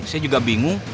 saya juga bingung